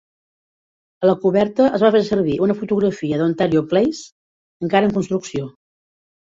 A la coberta es va fer servir una fotografia d'Ontario Place encara en construcció.